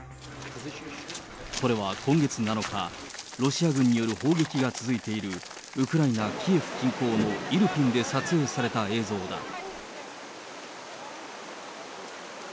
これは今月７日、ロシア軍による砲撃が続いている、ウクライナ・キエフ近郊のイルピンで撮影された映像だ。